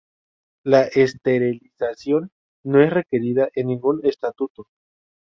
La esterilización no es requerida en ningún estatuto.